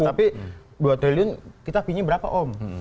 tapi dua triliun kita fee nya berapa om